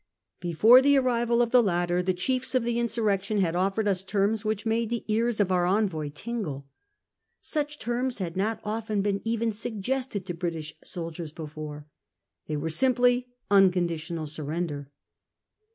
Before the arrival of the latter the chiefs of the insurrection had offered us terms which made the ears of our envoy tingle. Such terms had not often been even sug gested to British soldiers before. They were simply unconditional surrender.